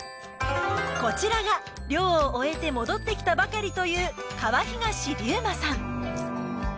こちらが漁を終えて戻ってきたばかりというトビウオ